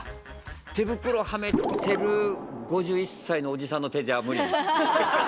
手袋はめてる５１歳のおじさんの手じゃ無理？